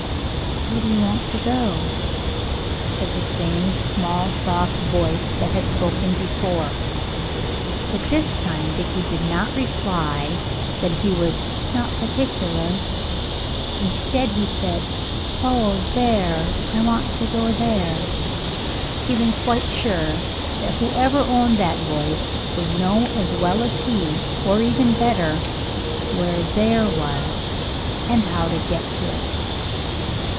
"Where do you want to go to?" said the same soft small voice that had spoken before. But this time Dickie did not reply that he was "not particular." Instead, he said, "Oh, there! I want to go there!" feeling quite sure that whoever owned that voice would know as well as he, or even better, where "there" was, and how to get to it.